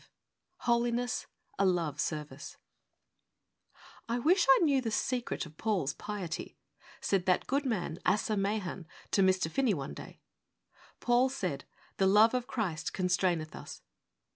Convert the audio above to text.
V HOLINESS : A LOVE SERVICE 'I WISH I knew the secret of Paul's piety,' said that good man, Asa Mahan, to Mr. Finney one day. 'Paul said, "The love of Christ constraineth us."